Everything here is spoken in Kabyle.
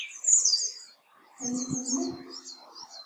Ad iyi-qeblen?